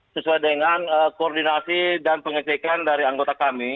sesuai dengan koordinasi dan pengecekan dari anggota kami